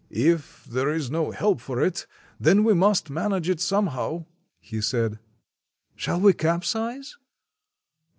"If there is no help for it, then we must manage it somehow," he said. "Shall we capsize?"